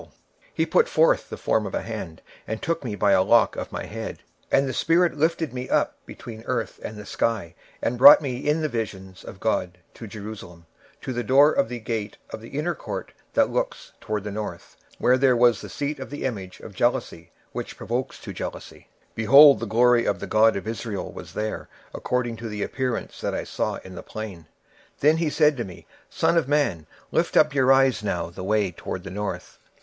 26:008:003 And he put forth the form of an hand, and took me by a lock of mine head; and the spirit lifted me up between the earth and the heaven, and brought me in the visions of God to Jerusalem, to the door of the inner gate that looketh toward the north; where was the seat of the image of jealousy, which provoketh to jealousy. 26:008:004 And, behold, the glory of the God of Israel was there, according to the vision that I saw in the plain. 26:008:005 Then said he unto me, Son of man, lift up thine eyes now the way toward the north.